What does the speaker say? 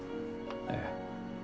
ええ。